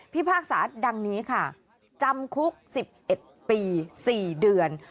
พากษาดังนี้ค่ะจำคุก๑๑ปี๔เดือน